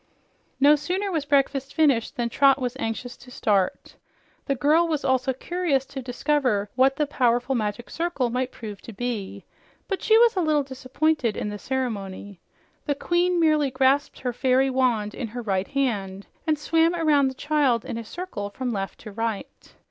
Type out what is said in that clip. No sooner was breakfast finished than Trot was anxious to start. The girl was also curious to discover what the powerful Magic Circle might prove to be, but she was a little disappointed in the ceremony. The queen merely grasped her fairy wand in her right hand and swam around the child in a circle, from left to right.